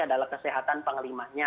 adalah kesehatan penglimanya